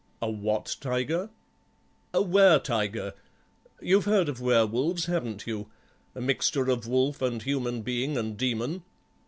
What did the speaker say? "A what tiger?" "A were tiger; you've heard of were wolves, haven't you, a mixture of wolf and human being and demon?